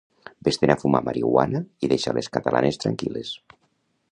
Vés-te'n a fumar marihuana i deixa les catalanes tranquil·les